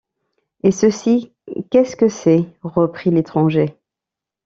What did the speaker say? Et ceci, qu’est-ce que c’est? reprit l’étranger.